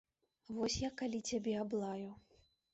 Вось я калі цябе аблаю.